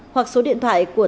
hoặc số điện thoại của